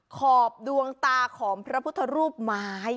ขอบดวงตาของพระพุทธรูปไม้